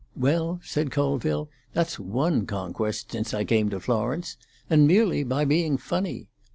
"Well," said Colville, "that's one conquest since I came to Florence. And merely by being funny!